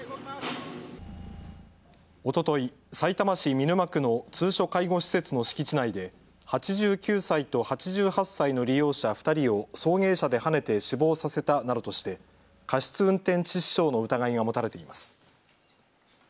おととい、さいたま市見沼区の通所介護施設の敷地内で８９歳と８８歳の利用者２人を送迎車ではねて死亡させたなどとして過失運転致死傷の疑いが持たれています。